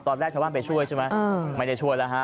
ตอนแรกชาวบ้านไปช่วยใช่ไหมไม่ได้ช่วยแล้วฮะ